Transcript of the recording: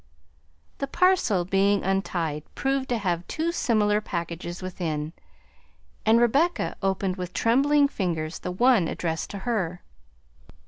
The parcel being untied proved to have two smaller packages within, and Rebecca opened with trembling fingers the one addressed to her.